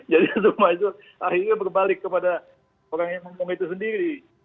jadi semua itu akhirnya berbalik kepada orang yang ngomong itu sendiri